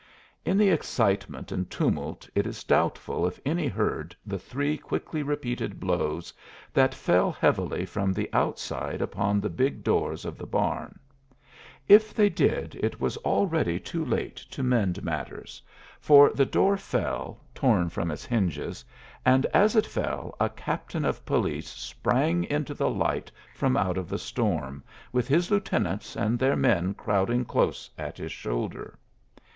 In the excitement and tumult it is doubtful if any heard the three quickly repeated blows that fell heavily from the outside upon the big doors of the barn. If they did, it was already too late to mend matters, for the door fell, torn from its hinges, and as it fell a captain of police sprang into the light from out of the storm, with his lieutenants and their men crowding close at his shoulder.